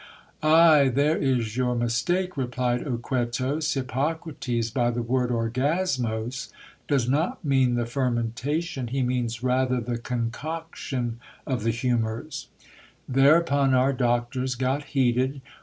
Ay ! there is your mistake, replied Oquetos. Hippocrates by the word opyacrftog does not mean the fermentation, he means rather the con coction of the humours. Thereupon our doctors got heated.